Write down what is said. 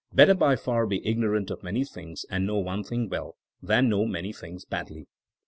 Better by far be ignorant of many things and know one thing well, than know many things badly.